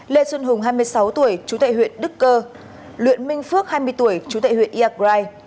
lê xuân hùng hai mươi sáu tuổi chú tệ huyện đức cơ luyện minh phước hai mươi tuổi chú tệ huyện iagrai